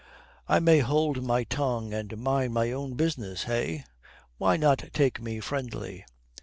"I may hold my tongue and mind my own business, eh? Why not take me friendly?"